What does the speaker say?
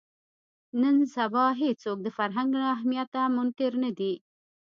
نن سبا هېڅوک د فرهنګ له اهمیته منکر نه دي